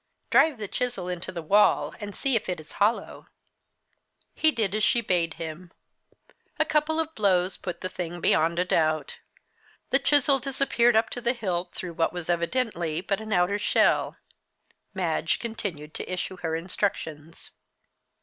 "Drive the chisel into the wall and see if it is hollow." He did as she bade him. A couple of blows put the thing beyond a doubt. The chisel disappeared up to the hilt through what was evidently but an outer shell. Madge continued to issue her instructions.